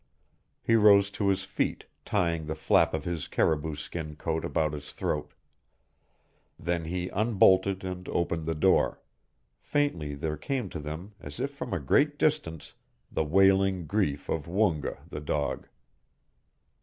He rose to his feet, tying the flap of his caribou skin coat about his throat. Then he unbolted and opened the door. Faintly there came to them, as if from a great distance, the wailing grief of Woonga, the dog.